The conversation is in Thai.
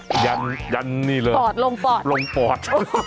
อักหาร์ดลงปอด